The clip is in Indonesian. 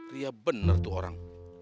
dia bener tuh orang